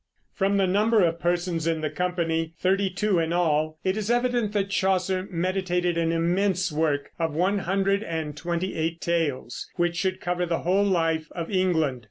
From the number of persons in the company, thirty two in all, it is evident that Chaucer meditated an immense work of one hundred and twenty eight tales, which should cover the whole life of England.